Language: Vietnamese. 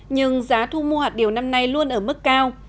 nhưng giá thu mua hạt điều năm nay luôn ở mức cao